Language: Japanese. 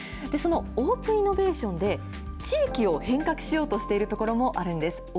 そのオープンイノベーションで、地域を変革しようとしているところもあるんです。